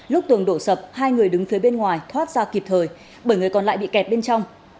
lúc tường đổ sập hai người đứng phía bên ngoài thoát ra kịp thời bảy người còn lại bị kẹt bên trong